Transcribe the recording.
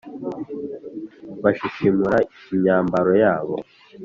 bashishimura imyambaro yabo.